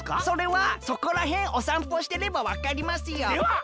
それはそこらへんおさんぽしてればわかりますよ。